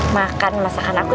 makan masakan aku ya